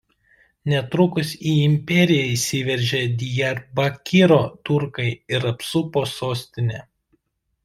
Netrukus į imperiją įsiveržė Dijarbakyro turkai ir apsupo sostinę.